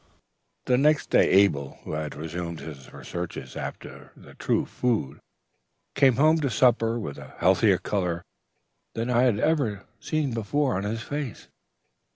"The next day, Abel, who had resumed his researches after the True Food, came home to supper with a healthier color than I had before seen on his face.